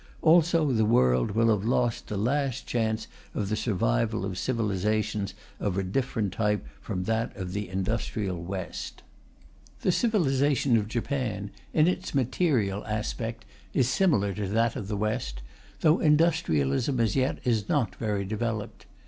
Also the world will have lost the last chance of the survival of civilizations of a different type from that of the industrial West. The civilization of Japan, in its material aspect, is similar to that of the West, though industrialism, as yet, is not very developed.